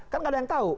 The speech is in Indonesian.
kan gak ada yang tahu